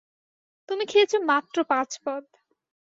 তুমি খেয়েছ মাত্র পাঁচ পদ।